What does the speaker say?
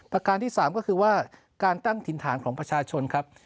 ประการที่๓ก็คือว่าการตั้งถิ่นฐานของประชาชนครับ